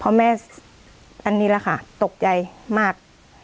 เพราะแม่อันนี้แหละค่ะตกใจมาก